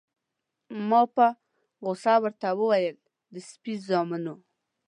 ما په غوسه ورته وویل: د سپي زامنو.